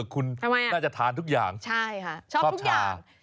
คุณน่าจะทานทุกอย่างชอบชาทำไมใช่ค่ะ